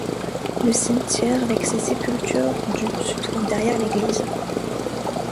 Le cimetière avec ses sépultures du se trouve derrière l'église.